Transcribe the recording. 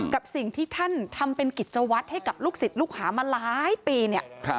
กับสิ่งที่ท่านทำเป็นกิจวัตรให้กับลูกศิษย์ลูกหามาหลายปีเนี่ย